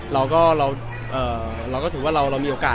เราก็ถือว่าเรามีโอกาส